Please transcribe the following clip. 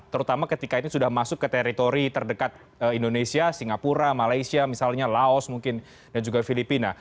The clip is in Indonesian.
terutama ketika ini sudah masuk ke teritori terdekat indonesia singapura malaysia misalnya laos mungkin dan juga filipina